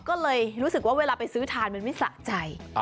ก็เลยรู้สึกว่าเวลาไปซื้อทานมันไม่สะใจ